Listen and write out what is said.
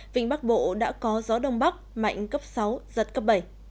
vịnh bắc bộ đã có gió đông bắc mạnh cấp sáu giật cấp bảy